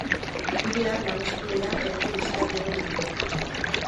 Bideoak nagusitu dira eduki bisitatuenen artean.